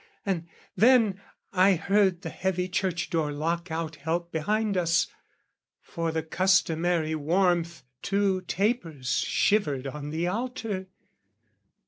And then I heard the heavy church door lock out help Behind us: for the customary warmth, Two tapers shivered on the altar.